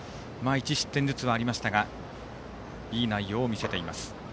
１失点ずつはありましたがいい内容を見せています。